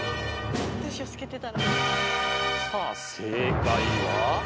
さあ正解は？